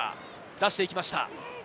出していきました。